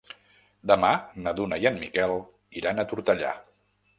Demà na Duna i en Miquel iran a Tortellà.